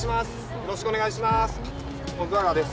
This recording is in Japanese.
よろしくお願いします